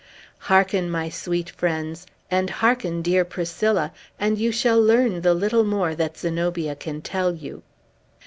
Hearken, my sweet friends, and hearken, dear Priscilla, and you shall learn the little more that Zenobia can tell you.